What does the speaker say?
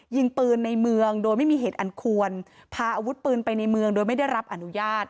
ยิงปืนในเมืองโดยไม่มีเหตุอันควรพาอาวุธปืนไปในเมืองโดยไม่ได้รับอนุญาต